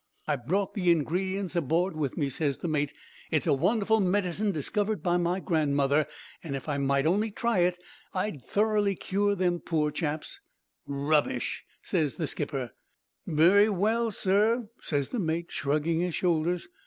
"'I brought the ingredients aboard with me,' ses the mate. 'It's a wonderful medicine discovered by my grandmother, an' if I might only try it I'd thoroughly cure them pore chaps." "'Rubbish!' ses the skipper. "'Very well, sir,' ses the mate, shrugging his shoulders.